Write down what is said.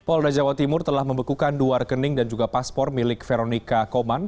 polda jawa timur telah membekukan dua rekening dan juga paspor milik veronica koman